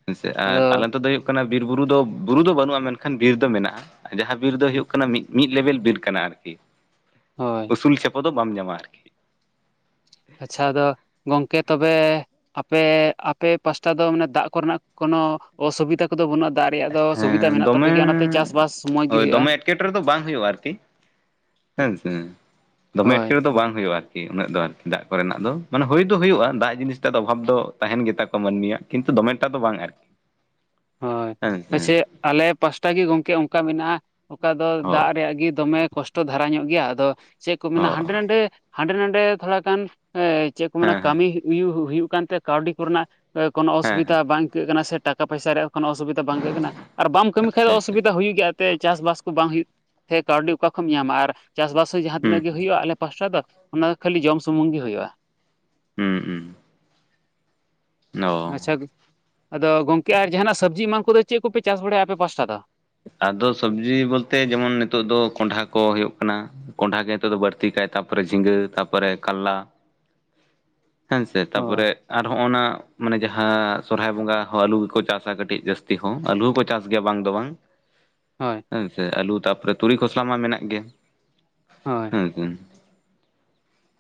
ᱦᱮᱸᱥᱮ ᱟᱨ ᱟᱫᱚ ᱟᱞᱮᱱᱛᱮ ᱫᱚ ᱦᱩᱭᱩᱜ ᱠᱟᱱᱟ ᱵᱤᱨ ᱵᱩᱨᱩ ᱫᱚ ᱵᱩᱨᱩ ᱫᱚ ᱵᱟᱹᱱᱩᱜᱼᱟ ᱢᱮᱱᱠᱷᱟᱱ ᱵᱤᱨ ᱫᱚ ᱢᱮᱱᱟᱜᱼᱟ᱾ ᱡᱟᱦᱟᱸ ᱵᱤᱨ ᱫᱚ ᱦᱩᱭᱩᱜ ᱠᱟᱱᱟ ᱢᱤᱫ ᱢᱤᱫ ᱞᱮᱵᱮᱞ ᱵᱤᱨ ᱠᱟᱱᱟ ᱟᱨᱠᱤ ᱦᱳᱭ ᱥᱩᱞ ᱪᱷᱟᱯᱚ ᱫᱚ ᱵᱟᱢ ᱧᱟᱢᱟ ᱟᱨᱠᱤ ᱟᱪᱪᱷᱟ ᱟᱫᱚ ᱜᱚᱝᱠᱮ ᱛᱚᱵᱮ ᱟᱯᱮ ᱟᱯᱮ ᱯᱟᱥᱴᱟ ᱫᱚ ᱢᱟᱱᱮ ᱫᱟᱜ ᱠᱚᱨᱮᱱᱟᱜ ᱠᱚᱱᱚ ᱚᱥᱩᱵᱤᱫᱟ ᱠᱚᱫᱚ ᱵᱟᱹᱱᱩᱜᱼᱟ ᱫᱟᱜ ᱨᱮᱭᱟᱜ ᱫᱚ ᱥᱩᱵᱤᱫᱟ ᱦᱮᱸ ᱢᱮᱱᱟᱜ ᱫᱚᱢᱮ ᱛᱟᱯᱮᱜ ᱜᱮᱭᱟ ᱚᱱᱟᱛᱮ ᱪᱟᱥᱵᱟᱥ ᱢᱚᱡᱽ ᱜᱮ ᱦᱩᱭᱩᱜᱼᱟ᱾ ᱦᱮᱸᱥᱮ ᱫᱚᱢᱮ ᱦᱳᱭ ᱮᱴᱠᱮᱴᱮ ᱫᱚ ᱵᱟᱝ ᱦᱩᱭᱩᱜᱼᱟ᱾ ᱠᱤ ᱟᱨᱤ ᱩᱱᱟᱹᱜ ᱫᱚ ᱟᱨᱠᱤ ᱫᱟᱜ ᱠᱚᱨᱮᱱᱟᱜ ᱫᱚ ᱢᱟᱱᱮ ᱦᱩᱭ ᱫᱚ ᱦᱩᱭᱩᱜᱼᱟ ᱫᱟᱜ ᱡᱤᱱᱤᱥᱴ ᱫᱚ ᱚᱵᱷᱟᱵᱽ ᱫᱚ ᱛᱟᱦᱮᱱ ᱜᱮᱛᱟ ᱠᱚᱣᱟ ᱢᱟᱹᱱᱢᱤᱭᱟᱜ᱾ ᱠᱤᱱᱛᱩ ᱫᱚᱢᱮᱴᱟᱜ ᱫᱚ ᱵᱟᱝ ᱟᱨᱠᱤ ᱦᱳᱭ ᱦᱮᱸ ᱥᱮ ᱯᱟᱪᱮᱫ ᱟᱞᱮ ᱯᱟᱥᱴᱟ ᱜᱮ ᱜᱚᱢᱠᱮ ᱚᱱᱠᱟ ᱢᱮᱱᱟᱜᱼᱟ᱾ ᱚᱠᱟ ᱫᱚ ᱚ ᱫᱟᱜ ᱨᱮᱭᱟᱜ ᱜᱮ ᱫᱚᱢᱮ ᱠᱚᱥᱴᱚ ᱫᱷᱟᱨᱟ ᱧᱚᱜ ᱜᱮᱭᱟ, ᱟᱫᱚ ᱪᱮᱫ ᱠᱚ ᱚ ᱢᱮᱱᱟ ᱦᱟᱸᱰᱮ ᱱᱷᱟᱰᱮ ᱦᱟᱸᱰᱮ ᱱᱟᱰᱮ ᱛᱷᱚᱲ ᱜᱟᱱ ᱪᱮᱫ ᱠᱚ ᱢᱮᱱᱟ ᱦᱮᱸ ᱦᱮᱸ ᱠᱟᱹᱢᱤ ᱦᱩᱭᱩ ᱩᱭᱩᱜ ᱠᱟᱱᱛᱮ ᱠᱟᱹᱣᱰᱤ ᱠᱚᱨᱮᱱᱟᱜ ᱠᱚᱱᱳ ᱦᱮᱸ ᱚᱥᱩᱵᱤᱫᱟ ᱦᱮᱸ ᱵᱟᱝ ᱟᱹᱭᱠᱟᱹᱜ ᱠᱟᱱᱟ ᱥᱮ ᱴᱟᱠᱟ ᱯᱚᱭᱥᱟ ᱨᱮᱭᱟᱜ ᱠᱳᱱᱳ ᱚᱥᱩᱵᱤᱫᱟ ᱵᱟᱝ ᱜᱮ ᱠᱟᱱᱟ ᱟᱨ ᱵᱟᱢ ᱠᱟᱹᱢᱤ ᱠᱷᱟᱡ ᱟᱪᱪᱷᱟ ᱫᱚ ᱟᱪᱪᱷᱟ ᱚᱥᱩᱵᱤᱫᱟ ᱦᱩᱭᱩᱜ ᱜᱮᱭᱟ᱾ ᱛᱮ ᱪᱟᱥᱵᱟᱥ ᱠᱚ ᱵᱟᱝ ᱦᱩᱭᱩᱜ ᱛᱮ ᱠᱟᱹᱣᱰᱤ ᱚᱠᱟ ᱠᱷᱚᱱ ᱧᱟᱢᱟ ᱟᱨ ᱪᱟᱥᱵᱟᱥ ᱦᱚᱸ ᱡᱟᱦᱟᱸ ᱦᱩᱸ ᱛᱤᱱᱟᱹᱜ ᱜᱮ ᱦᱩᱭᱩᱜᱼᱟ ᱟᱞᱮ ᱯᱟᱥᱴᱟ ᱫᱚ ᱚᱱᱟ ᱫᱚ ᱠᱷᱟᱹᱞᱤ ᱡᱚᱢ ᱥᱩᱢᱩᱝ ᱜᱮ ᱦᱩᱭᱩᱜᱼᱟ᱾ ᱦᱩᱸ ᱦᱩᱸ ᱚ ᱟᱪᱪᱷᱟ ᱟᱫᱚ ᱜᱚᱢᱠᱮ ᱟᱨ ᱡᱟᱦᱟᱱᱟᱜ ᱥᱚᱵᱽᱡᱤ ᱮᱢᱟᱱ ᱠᱚᱫᱚ ᱪᱮᱫ ᱠᱚᱯᱮ ᱪᱟᱥ ᱵᱟᱲᱟᱭᱟ ᱟᱯᱮ ᱯᱟᱥᱴᱟ ᱫᱚ? ᱟᱫᱚ ᱥᱚᱵᱽᱡᱤ ᱵᱚᱞᱛᱮ ᱡᱮᱢᱚᱱ ᱱᱤᱛᱚᱜ ᱫᱚ ᱠᱚᱸᱰᱷᱟ ᱠᱚ ᱦᱩᱭᱩᱜ ᱠᱟᱱᱟ᱾ ᱠᱚᱸᱰᱷᱟ ᱜᱮ ᱱᱤᱛᱚᱜ ᱫᱚ ᱵᱟᱹᱲᱛᱤ ᱠᱷᱟᱭ ᱛᱟᱯᱚᱨ ᱡᱷᱤᱸᱜᱟᱹ ᱛᱟᱯᱚᱨ ᱠᱟᱞᱞᱟ, <inaudible> ᱦᱮᱸ ᱥᱮ ᱦᱳᱭ ᱛᱟᱯᱚᱨᱮ ᱟᱨ ᱦᱚᱸᱜᱼ ᱚᱱᱟ ᱢᱟᱱᱮ ᱡᱟᱦᱟᱸ ᱥᱚᱨᱦᱟᱭ ᱵᱚᱸᱜᱟ ᱦᱚᱸ ᱟᱹᱞᱩ ᱜᱮᱠᱚ ᱪᱟᱥᱟ ᱠᱟᱹᱴᱤᱡ ᱡᱟᱹᱥᱛᱤ ᱦᱚᱸ ᱟᱹᱞᱩ ᱦᱚᱸᱠᱚ ᱪᱟᱥ ᱜᱮᱭᱟ᱾ ᱵᱟᱝ ᱫᱚ ᱵᱟᱝ ᱦᱚᱭ ᱦᱮᱸᱥᱮ ᱟᱞᱩ ᱛᱟᱯᱚᱨᱮ ᱛᱩᱲᱤ ᱠᱷᱚᱥᱞᱟ ᱢᱟ ᱢᱮᱱᱟᱜ ᱜᱮᱭᱟ᱾ ᱦᱳᱭ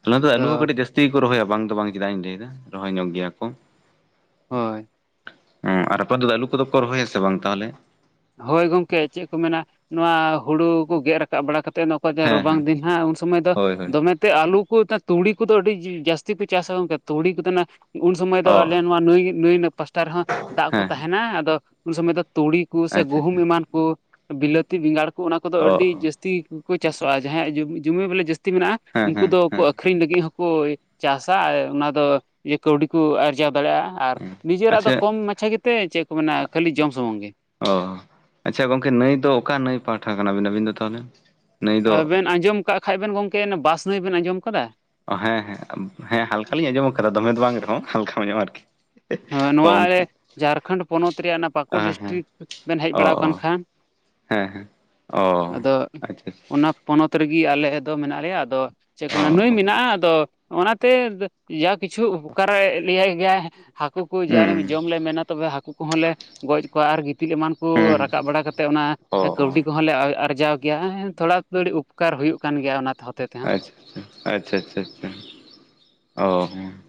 ᱚᱱᱟ ᱫᱚ ᱟᱞᱩ ᱦᱚᱸ ᱠᱟᱹᱴᱤᱡ ᱡᱟᱥᱛᱤ ᱛᱤ ᱠᱚ ᱨᱚᱦᱚᱭᱟ ᱵᱟᱝ ᱫᱚ ᱵᱟᱝ ᱪᱮᱫᱟᱜ ᱤᱧ ᱞᱟᱹᱭᱮᱫᱟ ᱨᱚᱦᱚᱭ ᱧᱚᱜ ᱜᱮᱭᱟ ᱠᱚ ᱦᱳᱭ ᱦᱮᱸ ᱟᱨ ᱟᱯᱟ ᱫᱚ ᱟᱞᱩ ᱠᱚᱫᱚ ᱠᱚ ᱨᱚᱦᱚᱭᱟ ᱥᱮ ᱵᱟᱝ ᱛᱟᱦᱚᱞᱮ ᱦᱳᱭ ᱜᱚᱢᱠᱮ ᱪᱮᱫ ᱠᱚ ᱢᱮᱱᱟ ᱱᱚᱣᱟ ᱦᱩᱲᱩ ᱠᱚ ᱜᱮᱫ ᱨᱟᱠᱟᱵ ᱵᱟᱲᱟ ᱠᱟ ᱠᱟᱛᱮᱫ᱾ ᱦᱮᱸ ᱨᱟᱵᱟᱝ ᱦᱮᱸ ᱫᱤᱱ ᱦᱟᱸᱜ ᱩᱱ ᱥᱚᱢᱚᱭ ᱫᱚ ᱦᱳᱭ ᱦᱳᱭ ᱫᱚᱢᱮ ᱛᱮ ᱟᱞᱩ ᱠᱚ ᱛᱩᱲᱤ ᱠᱚᱫᱚ ᱟᱹᱰᱤ ᱡᱟᱹᱥᱛᱤ ᱠᱚ ᱪᱟᱥᱟ, ᱚᱱᱠᱟ ᱛᱩᱲᱤ ᱠᱚ ᱛᱟᱦᱮ ᱩᱱ ᱥᱚᱢᱚᱭ ᱫᱚ ᱚ ᱞᱮᱱ ᱱᱚᱣᱟ ᱱᱟᱹᱭ ᱯᱟᱥᱴᱟ ᱨᱮᱦᱚᱸ ᱫᱟᱜ ᱠᱚ ᱦᱮᱸ ᱛᱟᱦᱮᱸᱱᱟ, ᱟᱫᱚ ᱩᱱ ᱥᱚᱢᱚᱭ ᱫᱚ ᱛᱩᱲᱤ ᱥᱮ ᱟᱪᱪᱷᱟ ᱜᱩᱦᱩᱢ ᱟᱪᱪᱷᱟ ᱮᱢᱟᱱ ᱠᱚ, ᱵᱤᱞᱟᱹᱛᱤ, ᱵᱮᱸᱜᱟᱲ ᱠᱚ, ᱚᱱᱟ ᱠᱚᱫᱚ ᱚ ᱟᱹᱰᱤ ᱡᱟᱹᱥᱛᱤ ᱾ ᱡᱟᱹᱥᱛᱤ ᱠᱚ ᱪᱟᱥᱚᱜᱼᱟ, ᱡᱟᱦᱟᱸᱭᱟᱜ ᱡᱩᱚᱢᱤ ᱵᱚᱞᱮ ᱡᱟᱹᱥᱛᱤ ᱢᱮᱱᱟᱜᱼᱟ ᱦᱮᱸ ᱩᱱᱠᱩ ᱦᱮᱸ ᱦᱮᱸ ᱫᱚᱠᱚ ᱟᱹᱠ ᱟᱠᱷᱨᱤᱧ ᱞᱟᱹᱜᱤᱫ ᱦᱚᱸᱠᱚ ᱪᱟᱥᱟ ᱟᱨ ᱚᱱᱟ ᱫᱚ ᱠᱟᱹᱣᱰᱤ ᱠᱚ ᱟᱨ ᱟᱨᱡᱟᱣ ᱫᱟᱲᱮᱭᱟᱜᱼᱟ, ᱟᱨ ᱱᱤᱡᱮᱨᱟᱜ ᱫᱚ ᱟᱪᱪᱷᱟ ᱠᱚᱢ ᱢᱟᱪᱷᱟ ᱜᱮᱛᱮ ᱪᱮᱫ ᱠᱚ ᱢᱮᱱᱟ ᱠᱷᱟᱹᱞᱤ ᱡᱚᱢ ᱥᱩᱢᱩᱝ ᱜᱮ ᱾ ᱚ ᱟᱪᱷᱟ ᱜᱚᱝᱠᱮ ᱱᱟᱹᱭ ᱫᱚ ᱚᱠᱟ ᱱᱟᱹᱭ ᱯᱟᱦᱟᱴᱟ ᱠᱟᱱᱟᱵᱤᱱ ᱟᱹᱵᱤᱱ ᱫᱚ ᱛᱟᱦᱚᱞᱮ? ᱱᱟᱹᱭ ᱫᱚ ᱟᱵᱮᱱ ᱟᱸᱡᱚᱢ ᱠᱟᱜ ᱠᱷᱟᱡ ᱵᱮᱱ ᱜᱚᱝᱠᱮ ᱵᱟᱥ ᱱᱟᱹᱭ ᱵᱮᱱ ᱟᱸᱡᱚᱢ ᱠᱟᱫᱟ ᱦᱮᱸᱻᱦᱮᱸᱻᱦᱮᱸ ᱦᱟᱞᱠᱟᱞᱤᱧ ᱟᱸᱡᱚᱢ ᱠᱟᱫᱟ ᱫᱚᱢᱮ ᱫᱚ ᱵᱟᱝ ᱨᱮᱦᱚᱸ ᱦᱟᱞᱠᱟ ᱧᱚᱜᱼᱟ ᱟᱨᱠᱤ ᱾ ᱱᱚᱣᱟ ᱟᱞᱮ ᱡᱷᱟᱲᱠᱷᱚᱸᱰ ᱯᱚᱱᱚᱛ ᱨᱮᱭᱟᱜ ᱚᱱᱟ ᱯᱟᱠᱩᱲ ᱰᱤᱥᱴᱤᱠ ᱵᱮᱱ ᱦᱮᱡ ᱵᱟᱲᱟ ᱠᱟᱱ ᱠᱷᱟᱱ ᱾ ᱦᱮᱸᱻᱦᱮᱸ ᱚ ᱟᱪᱷᱟ ᱟᱪᱷᱟ ᱾ ᱚᱱᱟ ᱯᱚᱱᱚᱛ ᱨᱮᱜᱮ ᱟᱞᱮ ᱫᱚ ᱢᱮᱱᱟᱜ ᱞᱮᱭᱟ ᱟᱫᱚ ᱪᱮᱫ ᱠᱚ ᱢᱮᱱᱟ ᱱᱚᱭ ᱢᱮᱱᱟᱜᱼᱟ ᱾ ᱟᱫᱚ ᱚᱱᱟᱛᱮ ᱡᱟ ᱠᱤᱪᱷᱩ ᱩᱯᱚᱠᱟᱨᱮ ᱞᱮᱭᱟᱭ ᱜᱮᱭᱟᱭ ᱦᱟᱹᱠᱩ ᱦᱟᱹᱠᱩ ᱡᱟ ᱡᱚᱢ ᱞᱮ ᱢᱮᱱᱟ ᱛᱚᱵᱮ ᱦᱟᱹᱠᱩ ᱠᱚᱦᱚᱸ ᱞᱮ ᱜᱚᱡ ᱠᱚᱣᱟ, ᱟᱨ ᱜᱤᱛᱤᱞ ᱮᱢᱟᱱ ᱠᱚ ᱾ ᱠᱚ ᱨᱟᱠᱟᱵ ᱵᱟᱲᱟ ᱠᱟᱛᱮ ᱚᱱᱟ ᱠᱟᱹᱣᱰᱤ ᱠᱚ ᱾ ᱠᱚᱦᱚᱸᱞ ᱞᱮ ᱟᱨᱡᱟᱣ ᱜᱮᱭᱟ ᱛᱷᱚᱲᱟ ᱛᱷᱟᱹᱲᱤ ᱩᱯᱠᱟᱨ ᱦᱩᱭᱩᱜ ᱠᱟᱱ ᱜᱮᱭᱟ ᱚᱱᱟ ᱦᱚᱛᱮ ᱛᱮᱦᱚᱸ ᱾ ᱟᱪᱷᱟ ᱟᱪᱷᱟ ᱚ ᱦᱩᱸ ᱾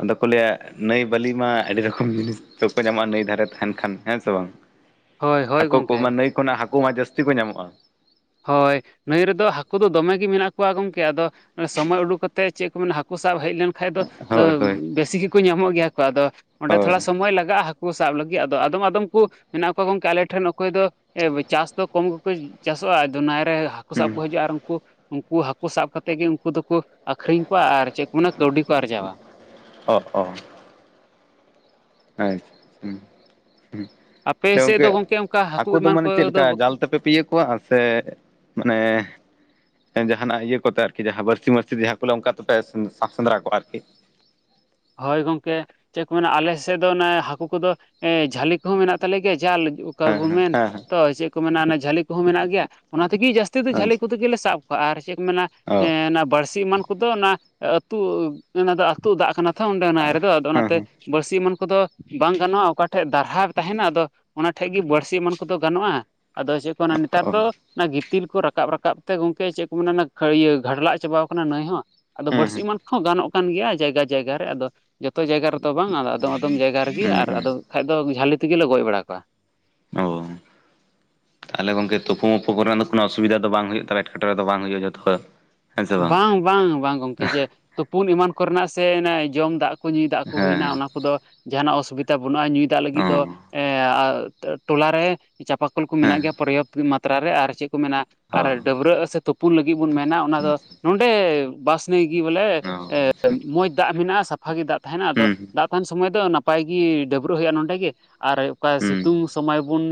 ᱟᱫᱚ ᱠᱚ ᱞᱟᱹᱭᱟ ᱱᱟᱹᱭ ᱵᱟᱹᱞᱤ ᱢᱟ ᱟᱹᱰᱤ ᱨᱚᱠᱚᱢ ᱡᱤᱱᱤᱥ ᱥᱚᱵ <inaudible> ᱠᱚ ᱧᱟᱢᱚᱜᱼᱟ ᱱᱟᱹᱭ ᱫᱷᱟᱨᱮ ᱛᱟᱦᱮᱱ ᱠᱷᱟᱱ ᱦᱮᱸ ᱥᱮ ᱵᱟᱝ? ᱦᱳᱭ ᱦᱳᱭ ᱦᱟᱠᱳ ᱠᱚ ᱜᱚᱢᱠᱮ ᱢᱟ ᱱᱟᱹᱭ ᱠᱷᱚᱱᱟᱜ ᱦᱟᱠᱳ ᱢᱟ ᱡᱟᱹᱥᱛᱤ ᱠᱚ ᱧᱟᱢᱚᱜᱼᱟ᱾ ᱦᱳᱭ᱾ ᱱᱟᱹᱭ ᱨᱮᱫᱚ ᱦᱟᱹᱠᱩ ᱫᱚ ᱫᱚᱢᱮ ᱜᱮ ᱢᱮᱱᱟᱜ ᱠᱚᱣᱟ ᱜᱚᱢᱠᱮ ᱟᱫᱚ ᱥᱚᱢᱚᱭ ᱩᱰᱩᱠ ᱠᱟᱛᱮ ᱪᱮᱫ ᱠᱚ ᱢᱮᱱᱟ ᱦᱟᱹᱠᱩ ᱥᱟᱵ ᱦᱮᱡ ᱞᱮᱱᱠᱷᱟᱱ ᱾ ᱠᱷᱟᱡ ᱫᱚ ᱦᱳᱭ ᱦᱳᱭ ᱵᱮᱥᱤ ᱜᱮᱠᱚ ᱧᱟᱢᱚᱜ ᱜᱮᱭᱟ ᱠᱚ ᱟᱫᱚ ᱚᱸᱰᱮ ᱦᱳᱭ ᱛᱷᱚᱲᱟ ᱥᱚᱢᱚᱭ ᱞᱟᱜᱟᱜᱼᱟ ᱾ ᱦᱟᱠᱳ ᱥᱟᱵ ᱞᱟᱹᱜᱤᱫ ᱟᱫᱚ ᱟᱫᱚᱢ ᱟᱫᱚᱢ ᱠᱚ ᱢᱮᱱᱟᱜ ᱠᱚᱣᱟ, ᱜᱚᱝᱠᱮ ᱟᱞᱮ ᱴᱷᱮᱱ ᱚᱠᱚᱭ ᱫᱚ ᱮ ᱪᱟᱥ ᱫᱚ ᱠᱚᱢ ᱜᱮᱠᱚ ᱪᱟᱥᱚᱜᱼᱟ, ᱟᱫᱚ ᱱᱟᱹᱭ ᱨᱮ ᱦᱟᱹᱠᱩ ᱥᱟᱵ ᱦᱩᱸ ᱠᱚ ᱦᱤᱡᱩᱜᱼᱟ ᱟᱨ ᱩᱱᱠᱩ ᱩᱱᱠᱩ ᱦᱟᱹᱠᱩ ᱥᱟᱵ ᱠᱟᱛᱮ ᱜᱮ ᱩᱱᱠᱩ ᱫᱚᱠᱚ ᱟᱠᱷᱚᱨᱤᱧ ᱠᱚᱣᱼᱟ, ᱟᱨ ᱪᱮᱫ ᱠᱚ ᱢᱮᱱᱟ ᱠᱟᱹᱣᱰᱤ ᱠᱚ ᱟᱨᱡᱟᱣᱼᱟ ᱾ ᱚ-ᱚ ᱾ ᱟᱪᱪ ᱦᱩᱸ <unintelligible> ᱡᱮ ᱟᱯᱮ ᱥᱮᱫ ᱜᱚᱝᱠᱮ ᱫᱚ ᱜᱚᱢᱠᱮ ᱚᱱᱠᱟ ᱦᱟᱠᱳ ᱦᱟᱹᱠᱩ ᱫᱚ ᱮᱢᱟᱱ ᱢᱟᱱᱮ ᱠᱚᱫᱚ ᱪᱮᱫᱞᱮᱠᱟ ᱡᱟᱞ ᱛᱮᱯᱮ ᱯᱤᱭᱟᱹ ᱠᱚᱣᱟ? ᱥᱮ ᱢᱟᱱᱮ ᱡᱟᱦᱟᱱᱟᱜ ᱤᱭᱟᱹ ᱠᱚ ᱛᱮ ᱟᱨᱠᱤ ᱵᱟᱹᱲᱥᱤ ᱢᱟᱲᱥᱤ ᱡᱟᱦᱟᱸ ᱠᱚ ᱚᱱᱠᱟ ᱛᱮᱯᱮ ᱥᱟᱵ ᱥᱮᱸᱫᱽᱨᱟ ᱠᱚᱣᱟ ᱟᱨᱠᱤ? ᱦᱳᱭ ᱜᱚᱢᱠᱮ᱾ ᱪᱮᱫ ᱠᱚ ᱢᱮᱱᱟ ᱟᱞᱮ ᱥᱮᱫ ᱫᱚ ᱚᱱᱟ ᱦᱟᱹᱠᱳ ᱠᱚ ᱫᱚ ᱡᱷᱟᱹᱞᱤ ᱠᱚᱦᱚᱸ ᱢᱮᱱᱟᱜ ᱛᱟᱞᱮ ᱜᱮᱭᱟ ᱡᱟᱞ ᱾ ᱚᱠᱟ ᱦᱮᱸ ᱵᱚᱱ ᱦᱮᱸ ᱢᱮᱱ ᱦᱮᱸ ᱦᱮᱸ ᱛᱚ ᱪᱮᱫ ᱠᱚ ᱢᱮᱱᱟ ᱚᱱᱟ ᱡᱷᱟᱹᱞᱤ ᱠᱚᱦᱚᱸ ᱢᱮᱱᱟᱜ ᱜᱮᱭᱟ, ᱚᱱᱟ ᱛᱮᱜᱮ ᱡᱟᱹᱥᱛᱤ ᱫᱚ ᱡᱷᱟᱹᱞᱤ ᱠᱚ ᱟᱪᱪᱷᱟ ᱛᱮ ᱜᱮᱞᱮ ᱥᱟᱵ ᱠᱚᱣᱟ᱾ ᱟᱨ ᱪᱮᱫ ᱠᱚ ᱢᱮᱱᱟ ᱚ ᱚᱱᱟ ᱵᱟᱹᱲᱥᱤ ᱮᱢᱟᱱ ᱠᱚᱫᱚ ᱚᱱᱟ ᱟᱹᱛᱩ ᱚᱱᱟ ᱫᱚ ᱟᱹᱛᱩ ᱫᱟᱜ ᱠᱟᱱᱟ ᱾ ᱚᱸᱰᱮ ᱱᱟᱹᱭ ᱨᱮᱫᱚ ᱟᱫᱚ ᱦᱮᱸ ᱦᱮᱸ ᱚᱱᱟᱛᱮ ᱵᱟᱹᱲᱥᱤ ᱮᱢᱟᱱ ᱠᱚᱫᱚ ᱵᱟᱝ ᱜᱟᱱᱚᱜᱼᱟ᱾ ᱚᱠᱟ ᱴᱷᱮᱡ ᱫᱟᱨᱦᱟ ᱛᱟᱦᱮᱸᱱᱟ ᱟᱫᱚ ᱚᱱᱟ ᱴᱷᱮᱡ ᱜᱮ ᱵᱟᱹᱲᱥᱤ ᱮᱢᱟᱱ ᱠᱚᱫᱚ ᱜᱟᱱᱚᱜᱼᱟ᱾ ᱟᱫᱚ ᱪᱮᱫ ᱢᱮᱱᱟ ᱚ ᱱᱮᱛᱟᱨ ᱦᱩᱸ ᱫᱚ ᱚᱱᱟ ᱜᱤᱛᱤᱞ ᱠᱚ ᱨᱟᱠᱟᱵ ᱨᱟᱠᱟᱵ ᱛᱮ ᱜᱚᱝᱠᱮ ᱪᱮᱫ ᱠᱚ ᱢᱮᱱᱟ, ᱚᱱᱟ ᱤᱭᱟᱹ ᱜᱷᱟᱰᱞᱟᱜ ᱪᱟᱵᱟ ᱠᱟᱱᱟ ᱱᱟᱹᱭ ᱦᱚᱸ ᱾ ᱟᱫᱚ ᱵᱟᱹᱲᱥᱤ ᱦᱩᱸ ᱮᱢᱟᱱ ᱠᱚᱦᱚᱸ ᱜᱟᱱᱚᱜ ᱠᱟᱱ ᱜᱮᱭᱟ ᱡᱟᱭᱜᱟ ᱡᱟᱭᱜᱟ ᱨᱮ ᱟᱫᱚ ᱡᱚᱛᱚ ᱡᱟᱭᱜᱟ ᱨᱮᱛᱚ ᱵᱟᱝ ᱟᱨ ᱟᱫᱚᱢ ᱟᱫᱚᱢ ᱡᱟᱭᱜᱟ ᱨᱮᱜᱮ ᱦᱩᱸ ᱟᱨ ᱦᱩᱸ ᱟᱫᱚᱢ ᱠᱷᱟᱡ ᱫᱚ ᱡᱷᱟᱹᱞᱤ ᱛᱮᱜᱮ ᱞᱮ ᱜᱚᱡᱽ ᱵᱟᱲᱟ ᱠᱚᱣᱟ ᱾ ᱚ <inaudible> ᱛᱟᱦᱚᱞᱮ ᱜᱚᱢᱠᱮ ᱛᱳᱯᱳ ᱢᱳᱯᱳ ᱠᱚᱨᱮᱱᱟᱜ ᱫᱚ ᱠᱳᱱᱳ ᱚᱥᱩᱵᱤᱫᱷᱟ ᱫᱚ ᱵᱟᱝ ᱦᱩᱭᱩᱜ ᱛᱟᱯᱮ ᱮᱴᱠᱮᱴᱚᱲᱮ ᱫᱚ ᱵᱟᱝ ᱦᱩᱭᱩᱜᱼᱟ? <unintelligible> ᱥᱮ ᱵᱟᱝ ᱵᱟᱝᱻᱵᱟᱝᱻᱵᱟᱝ ᱜᱚᱝᱠᱮ ᱡᱮ ᱛᱳᱯᱳᱱ ᱮᱢᱟᱱ ᱠᱚᱨᱮᱱᱟᱜ ᱥᱮ ᱡᱚᱢ ᱫᱟᱜ ᱠᱚ ᱧᱩᱭ ᱫᱟᱜ ᱠᱚ ᱦᱮᱸ ᱦᱩᱭᱱᱟ ᱚᱱᱟ ᱠᱚᱫᱚ ᱡᱟᱦᱟᱱᱟᱜ ᱚᱥᱩᱵᱤᱫᱷᱟ ᱵᱟᱹᱱᱩᱜᱼᱟ᱾ ᱧᱩᱭ ᱫᱟᱜ ᱞᱟᱹᱜᱤᱫ ᱫᱚ ᱦᱮᱸ ᱾ ᱮ ᱴᱚᱞᱟ ᱨᱮ ᱪᱟᱯᱟᱠᱚᱞ ᱠᱚ ᱢᱮᱱᱟᱜ ᱜᱮᱭᱟ ᱯᱚᱨᱭᱟᱯᱛᱚ ᱢᱟᱛᱨᱟ ᱨᱮ ᱟᱨ ᱪᱮᱫ ᱠᱚ ᱢᱮᱱᱟ ᱚ ᱟᱨ ᱦᱮᱸ ᱰᱟᱹᱵᱽᱨᱟᱹᱜ ᱥᱮ ᱛᱩᱯᱩᱱ ᱞᱟᱹᱜᱤᱫ ᱵᱚᱱ ᱢᱮᱱᱟ ᱚᱱᱟ ᱫᱚ ᱱᱚᱰᱮ ᱵᱟᱥ ᱱᱟᱹᱭ ᱜᱮ ᱵᱚᱞᱮ ᱚ ᱚ ᱾ ᱮ ᱟᱪᱪᱷᱟ ᱢᱚᱸᱡᱽ ᱫᱟᱜ ᱢᱮᱱᱟᱜᱼᱟ, ᱥᱟᱯᱷᱟ ᱜᱮ ᱫᱟᱜ ᱛᱟᱦᱮᱱᱟ ᱟᱫᱚ ᱦᱩᱸ ᱫᱟᱜ ᱛᱟᱦᱮᱱ ᱥᱚᱢᱚᱭ ᱫᱚ ᱱᱟᱯᱟᱭ ᱜᱮ ᱰᱟᱹᱵᱽᱨᱟᱹᱜ ᱦᱩᱭᱩᱜᱼᱟ᱾ ᱱᱚᱸᱰᱮ ᱜᱮ ᱟᱨ ᱚᱠᱟ ᱦᱩᱸ ᱥᱤᱛᱩᱝ ᱥᱚᱢᱚᱭ ᱵᱚᱱ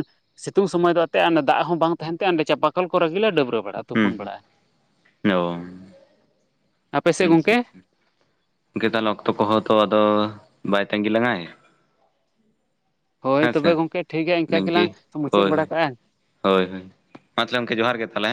ᱥᱤᱛᱩᱝ ᱥᱚᱢᱚᱭ ᱫᱚ ᱚᱛᱮ ᱫᱟᱜ ᱦᱚᱸ ᱵᱟᱝ ᱛᱟᱦᱮᱱ ᱛᱮ ᱚᱰᱮ ᱪᱟᱯᱟᱠᱚᱞ ᱠᱚᱨᱮ ᱜᱮᱞᱮ ᱰᱟᱹᱵᱽᱨᱟᱹ ᱵᱟᱲᱟᱜᱼᱟ ᱦᱩᱸ ᱛᱩᱯᱩᱱ ᱵᱟᱲᱟᱜᱼᱟ ᱾ ᱚ ᱟᱯᱮ ᱥᱮᱡ ᱟᱪᱪᱷᱟ ᱜᱚᱝᱠᱮ ᱟᱪᱪᱷᱟ <unintelligible> ᱚᱠᱛᱚ ᱠᱚᱦᱚᱸ ᱛᱚ ᱟᱫᱚ ᱵᱟᱭ ᱛᱟᱺᱜᱤ ᱞᱟᱝᱟᱭ ᱦᱳᱭ ᱦᱮᱸ ᱥᱮ ᱛᱚᱵᱮ ᱜᱚᱝᱠᱮ ᱴᱷᱤᱠ ᱜᱮᱭᱟ ᱤᱱᱠᱟ ᱱᱤᱝᱠᱟᱹ ᱜᱮᱞᱟᱝ ᱢᱩᱪᱟᱹᱫ ᱦᱳᱭ ᱵᱟᱲᱟ ᱦᱳᱭ ᱠᱟᱜᱼᱟ᱾ ᱦᱳᱭ ᱦᱳᱭ ᱢᱟ ᱛᱟᱦᱚᱞᱮ ᱜᱚᱢᱠᱮ ᱡᱚᱦᱟᱨ ᱜᱮ ᱛᱟᱦᱚᱞᱮ